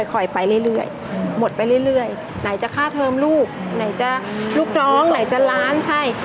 ค่อยไปเรื่อยหมดไปเรื่อยไหนจะค่าเทอมลูกไหนจะลูกน้องไหนจะล้านใช่